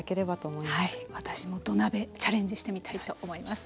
はい私も土鍋チャレンジしてみたいと思います。